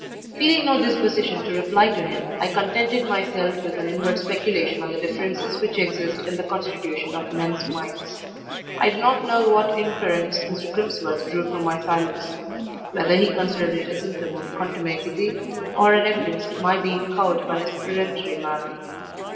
"Feeling no disposition to reply to him, I contented myself with an inward speculation on the differences which exist in the constitution of men's minds. I do not know what inference Mr. Crimsworth drew from my silence whether he considered it a symptom of contumacity or an evidence of my being cowed by his peremptory manner.